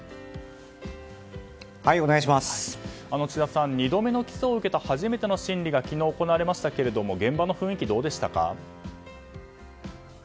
千田さん、２度目の起訴を受けた初めての審理が昨日、行われましたが現場の雰囲気はどうでしたか？